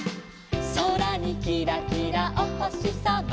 「そらにキラキラおほしさま」